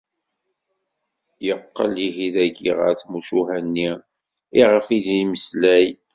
Yeqqel ihi dagi ɣer tmucuha-nni i ɣef i d-yemmeslay.